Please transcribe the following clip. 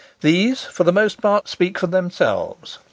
These for the most part speak for themselves.